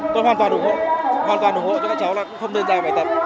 con hoàn toàn ủng hộ hoàn toàn ủng hộ cho các cháu là không nên giao bài tập